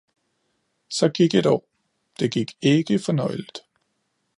Så gik et år, det gik ikke fornøjeligt